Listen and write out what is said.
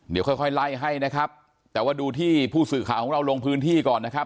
เดี๋ยวค่อยค่อยไล่ให้นะครับแต่ว่าดูที่ผู้สื่อข่าวของเราลงพื้นที่ก่อนนะครับ